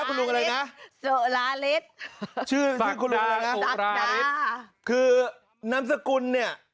คุณลุงอะไรนะสุราฤทธิ์ชื่อคุณลุงอะไรนะสักดาคือน้ำสกุลเนี้ย